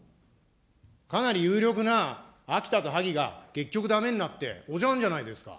かなり有力な秋田と萩が結局だめになって、おじゃんじゃないですか。